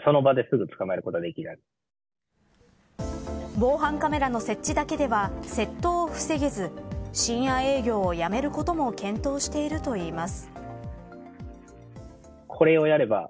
防犯カメラの設置だけでは窃盗を防げず深夜営業をやめることも検討しているといいます。